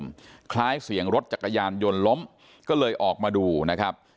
มันคล้ายเสียงรถจักรยานยนต์ล้มก็เลยออกมาดูนะครับ